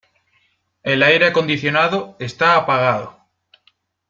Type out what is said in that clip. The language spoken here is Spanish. El aire acondicionado está apagado.